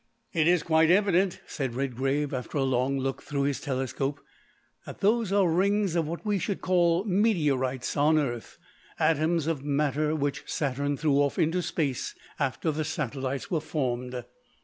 "It's quite evident," said Redgrave, after a long look through his telescope, "that those are rings of what we should call meteorites on Earth, atoms of matter which Saturn threw off into Space after the satellites were formed."